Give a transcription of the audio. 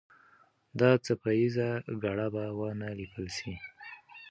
دا څپه ایزه ګړه به ونه لیکل سي.